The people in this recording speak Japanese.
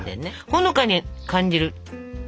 ほのかに感じる。